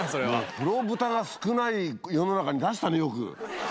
風呂ブタが少ない世の中に出したねよく。